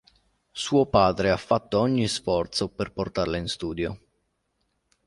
Suo padre ha fatto ogni sforzo per portarla in studio.